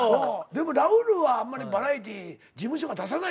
でもラウールはあんまりバラエティー事務所が出さないやろ。